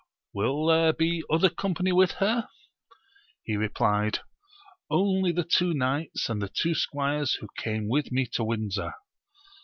will there be other company with her? He replied only the two knights and the two squires who came with me to Windsor.